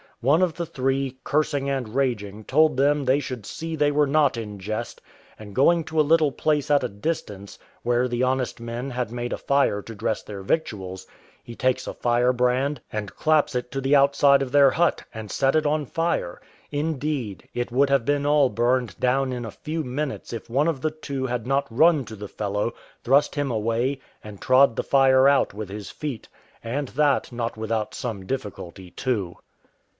One of the three, cursing and raging, told them they should see they were not in jest; and going to a little place at a distance, where the honest men had made a fire to dress their victuals, he takes a firebrand, and claps it to the outside of their hut, and set it on fire: indeed, it would have been all burned down in a few minutes if one of the two had not run to the fellow, thrust him away, and trod the fire out with his feet, and that not without some difficulty too.